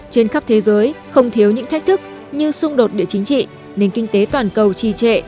trên khắp thế giới không thiếu những thách thức như xung đột địa chính trị nền kinh tế toàn cầu trì trệ